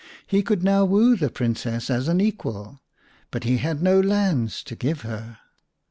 He could now woo the Princess as an equal, but he had no lands to give her.